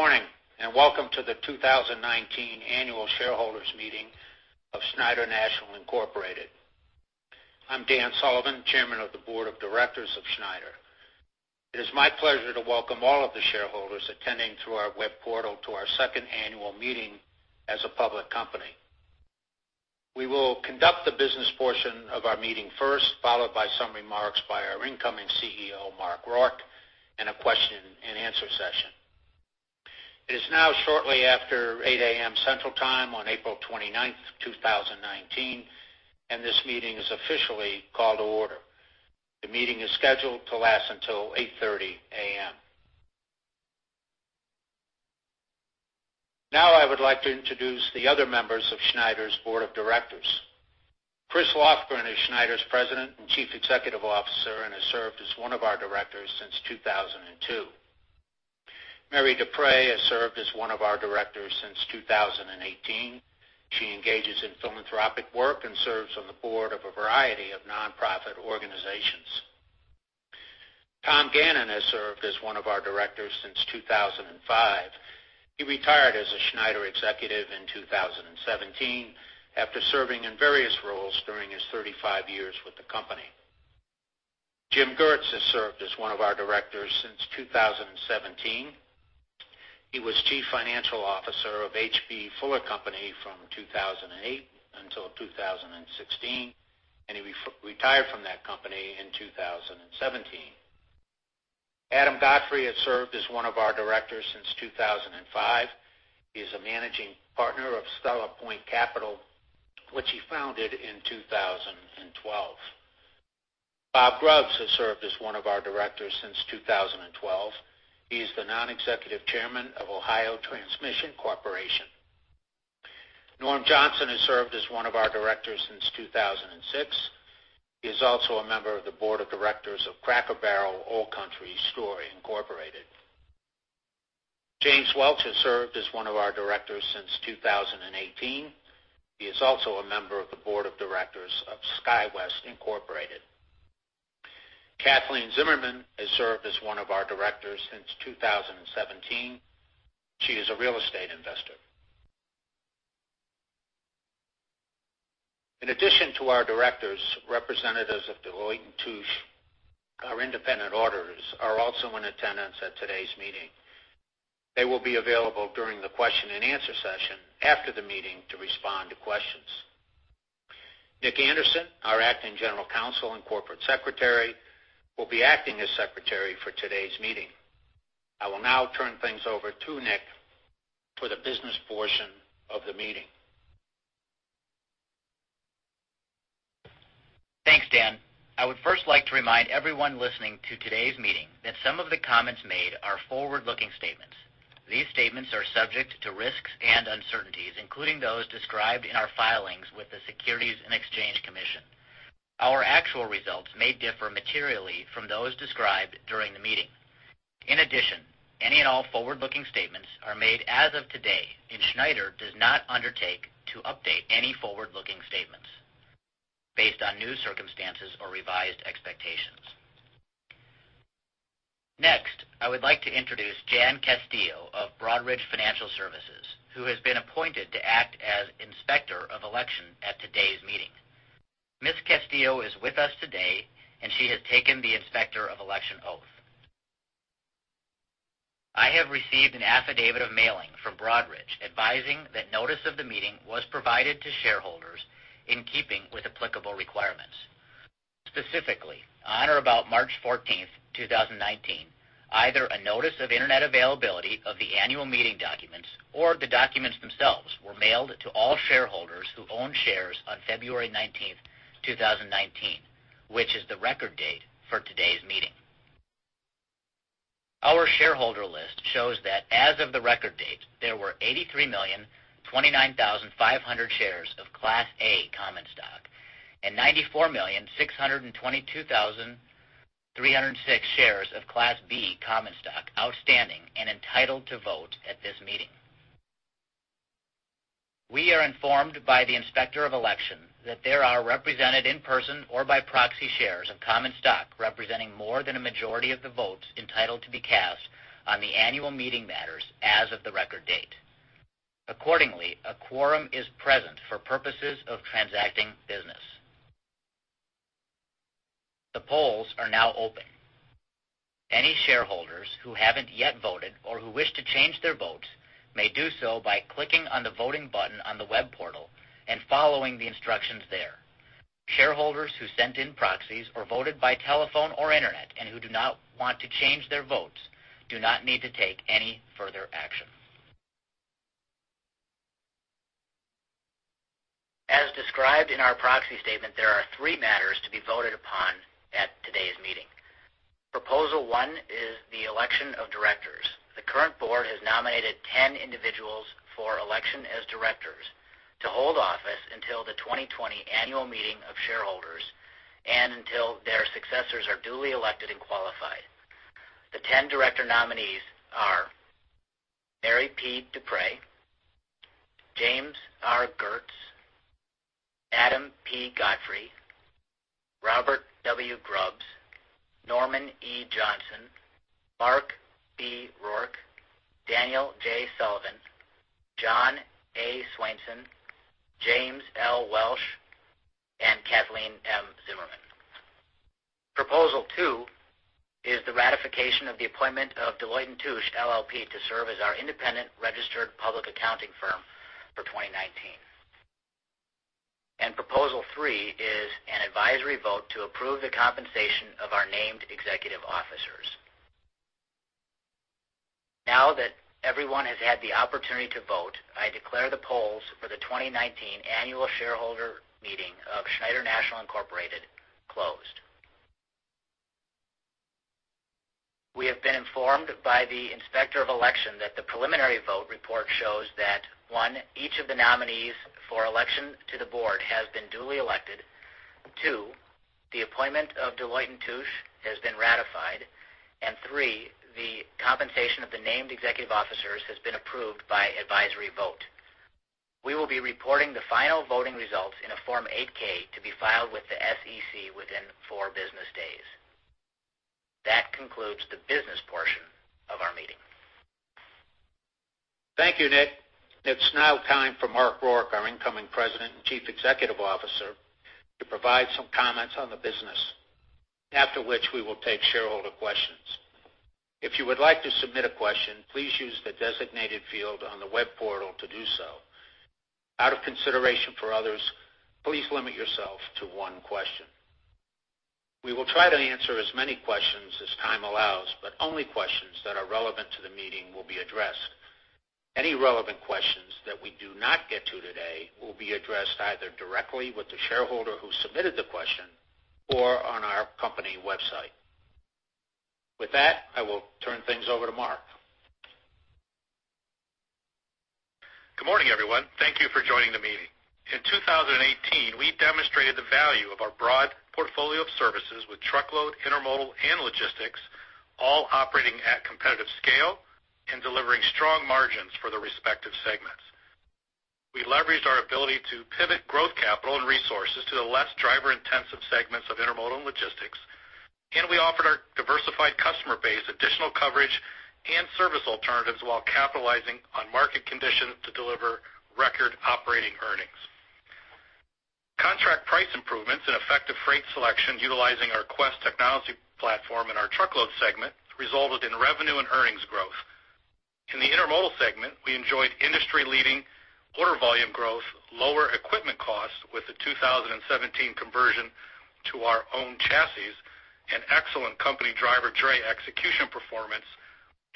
Good morning and Welcome to the 2019 Annual Shareholders' meeting of Schneider National Incorporated. I'm Dan Sullivan, Chairman of the board of directors of Schneider. It is my pleasure to welcome all of the shareholders attending through our web portal to our second annual meeting as a public company. We will conduct the business portion of our meeting first, followed by some remarks by our incoming CEO, Mark Rourke, and a question-and-answer session. It is now shortly after 8:00 A.M. Central Time on April 29th, 2019, and this meeting is officially called to order. The meeting is scheduled to last until 8:30 A.M. Now I would like to introduce the other members of Schneider's board of directors. Chris Lofgren is Schneider's President and Chief Executive Officer and has served as one of our directors since 2002. Mary DePrey has served as one of our directors since 2018. She engages in philanthropic work and serves on the board of a variety of nonprofit organizations. Tom Gannon has served as one of our directors since 2005. He retired as a Schneider executive in 2017 after serving in various roles during his 35 years with the company. Jim Giertz has served as one of our directors since 2017. He was Chief Financial Officer of H.B. Fuller Company from 2008 until 2016, and he retired from that company in 2017. Adam Godfrey has served as one of our directors since 2005. He is a managing partner of Stella Point Capital, which he founded in 2012. Bob Grubbs has served as one of our directors since 2012. He is the non-executive chairman of Ohio Transmission Corporation. Norm Johnson has served as one of our directors since 2006. He is also a member of the board of directors of Cracker Barrel Old Country Store, Incorporated. James Welch has served as one of our directors since 2018. He is also a member of the board of directors of SkyWest, Incorporated. Kathleen Zimmerman has served as one of our directors since 2017. She is a real estate investor. In addition to our directors, representatives of Deloitte & Touche, our independent auditors are also in attendance at today's meeting. They will be available during the question-and-answer session after the meeting to respond to questions. Nick Anderson, our Acting General Counsel and Corporate Secretary, will be acting as secretary for today's meeting. I will now turn things over to Nick for the business portion of the meeting. Thanks, Dan. I would first like to remind everyone listening to today's meeting that some of the comments made are forward-looking statements. These statements are subject to risks and uncertainties, including those described in our filings with the Securities and Exchange Commission. Our actual results may differ materially from those described during the meeting. In addition, any and all forward-looking statements are made as of today. Schneider does not undertake to update any forward-looking statements based on new circumstances or revised expectations. Next, I would like to introduce Jean Castillo of Broadridge Financial Solutions, who has been appointed to act as inspector of election at today's meeting. Ms. Castillo is with us today, and she has taken the inspector of election oath. I have received an affidavit of mailing from Broadridge advising that notice of the meeting was provided to shareholders in keeping with applicable requirements. Specifically, on or about March 14th, 2019, either a notice of internet availability of the annual meeting documents or the documents themselves were mailed to all shareholders who owned shares on February 19th, 2019, which is the record date for today's meeting. Our shareholder list shows that as of the record date, there were 83,029,500 shares of Class A common stock and 94,622,306 shares of Class B common stock outstanding and entitled to vote at this meeting. We are informed by the inspector of election that there are represented in person or by proxy shares of common stock representing more than a majority of the votes entitled to be cast on the annual meeting matters as of the record date. Accordingly, a quorum is present for purposes of transacting business. The polls are now open. Any shareholders who haven't yet voted or who wish to change their votes may do so by clicking on the voting button on the web portal and following the instructions there. Shareholders who sent in proxies or voted by telephone or internet and who do not want to change their votes do not need to take any further action. As described in our proxy statement, there are three matters to be voted upon at today's meeting. Proposal one is the election of directors. The current board has nominated 10 individuals for election as directors to hold office until the 2020 annual meeting of shareholders and until their successors are duly elected and qualified. The 10 director nominees are Mary P. DePrey, James R. Giertz, Adam P. Godfrey, Robert W. Grubbs, Norman E. Johnson, Mark B. Rourke, Daniel J. Sullivan, John A. Swainson, James L. Welch, and Kathleen M. Zimmerman. Proposal two is the ratification of the appointment of Deloitte & Touche LLP to serve as our independent registered public accounting firm for 2019. Proposal three is an advisory vote to approve the compensation of our named executive officers. Now that everyone has had the opportunity to vote, I declare the polls for the 2019 annual shareholder meeting of Schneider National, Inc. closed. We have been informed by the inspector of election that the preliminary vote report shows that, one, each of the nominees for election to the board has been duly elected, two, the appointment of Deloitte & Touche has been ratified, and three, the compensation of the named executive officers has been approved by advisory vote. We will be reporting the final voting results in a Form 8-K to be filed with the SEC within four business days. That concludes the business portion of our meeting. Thank you, Nick. It's now time for Mark Rourke, our incoming President and Chief Executive Officer, to provide some comments on the business, after which we will take shareholder questions. If you would like to submit a question, please use the designated field on the web portal to do so. Out of consideration for others, please limit yourself to one question. We will try to answer as many questions as time allows, but only questions that are relevant to the meeting will be addressed. Any relevant questions that we do not get to today will be addressed either directly with the shareholder who submitted the question or on our company website. With that, I will turn things over to Mark. Good morning, everyone. Thank you for joining the meeting. In 2018, we demonstrated the value of our broad portfolio of services with truckload, intermodal, and logistics, all operating at competitive scale and delivering strong margins for the respective segments. We leveraged our ability to pivot growth capital and resources to the less driver-intensive segments of intermodal and logistics, and we offered our diversified customer base additional coverage and service alternatives while capitalizing on market conditions to deliver record operating earnings. Contract price improvements and effective freight selection utilizing our Quest technology platform in our truckload segment resulted in revenue and earnings growth. In the intermodal segment, we enjoyed industry-leading order volume growth, lower equipment costs with the 2017 conversion to our own chassis, and excellent company driver dray execution performance,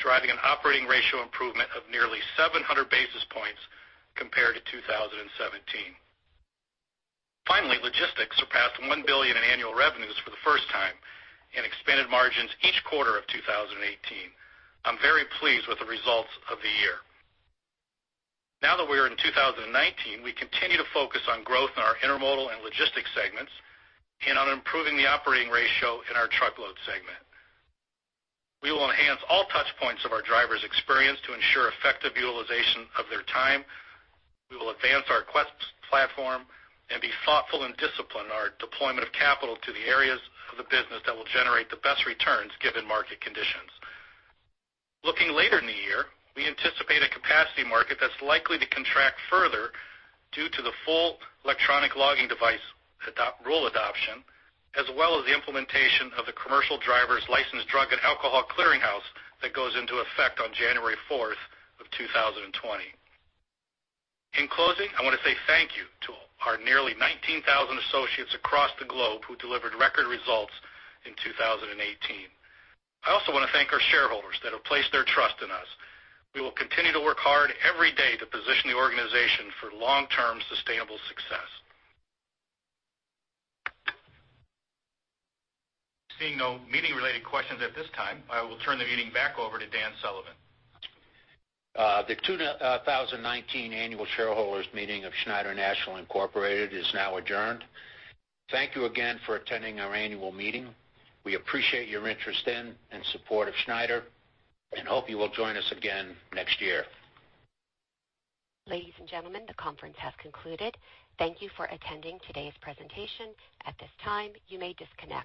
driving an operating ratio improvement of nearly 700 basis points compared to 2017. Finally, logistics surpassed $1 billion in annual revenues for the first time and expanded margins each quarter of 2018. I'm very pleased with the results of the year. Now that we're in 2019, we continue to focus on growth in our intermodal and Logistics segments and on improving the operating ratio in our Truckload segment. We will enhance all touchpoints of our drivers' experience to ensure effective utilization of their time. We will advance our Quest platform and be thoughtful and disciplined in our deployment of capital to the areas of the business that will generate the best returns given market conditions. Looking later in the year, we anticipate a capacity market that's likely to contract further due to the full electronic logging device rule adoption, as well as the implementation of the Commercial Driver’s License Drug and Alcohol Clearinghouse that goes into effect on January 4th of 2020. In closing, I want to say thank you to our nearly 19,000 associates across the globe who delivered record results in 2018. I also want to thank our shareholders that have placed their trust in us. We will continue to work hard every day to position the organization for long-term sustainable success. Seeing no meeting-related questions at this time, I will turn the meeting back over to Dan Sullivan. The 2019 annual shareholders' meeting of Schneider National Incorporated is now adjourned. Thank you again for attending our annual meeting. We appreciate your interest in and support of Schneider and hope you will join us again next year. Ladies and gentlemen, the conference has concluded. Thank you for attending today's presentation. At this time, you may disconnect.